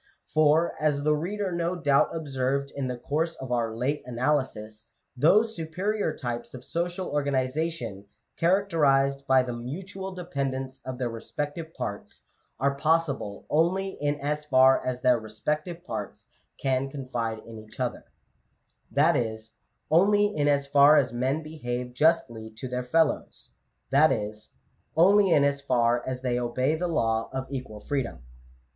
For, as the reader no doubt observed in the course of our late ana lysis, those superior types of social organization, characterized by the mutual dependence of their respective parts, are possible only in as far as their respective parts can confide in each other; Digitized by VjOOQIC (3 Mfr SUMMARY. that is, only in as far as men behave justly to their fellows ; that is, only in as far as they obey the law of equal freedom.